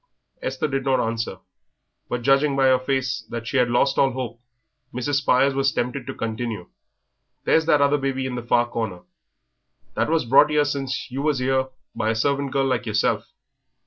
Esther did not answer, but judging by her face that she had lost all hope, Mrs. Spires was tempted to continue. "There's that other baby in the far corner, that was brought 'ere since you was 'ere by a servant girl like yerself.